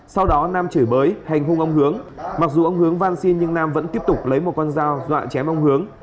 sau đó nam chửi bới hành hung ông hướng mặc dù ông hướng văn xin nhưng nam vẫn tiếp tục lấy một con dao dọa chém ông hướng